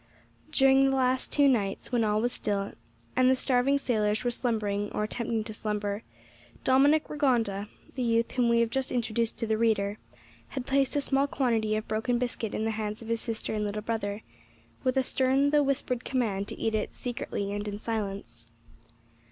During the last two nights, when all was still, and the starving sailors were slumbering, or attempting to slumber, Dominick Rigonda the youth whom we have just introduced to the reader had placed a small quantity of broken biscuit in the hands of his sister and little brother, with a stern though whispered command to eat it secretly and in silence.